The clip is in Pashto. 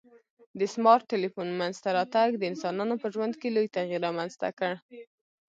د سمارټ ټلیفون منځته راتګ د انسانانو په ژوند کي لوی تغیر رامنځته کړ